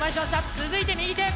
続いて右手！